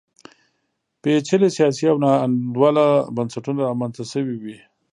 پېچلي سیاسي او ناانډوله بنسټونه رامنځته شوي وي.